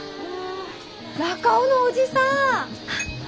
中尾のおじさん！